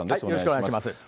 よろしくお願いします。